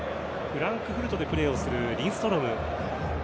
フランクフルトでプレーをするリンストロム。